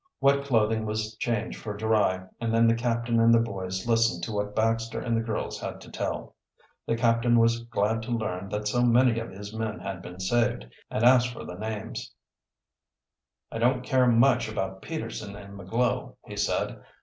Wet clothing was changed for dry, and then the captain and the boys listened to what Baxter and the girls had to tell. The captain was glad to learn that so many of his men had been saved, and asked for the names. "I don't care much about Peterson and McGlow," he said.